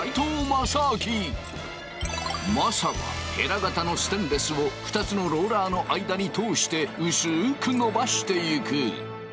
政はヘラ型のステンレスを２つのローラーの間に通して薄くのばしていく。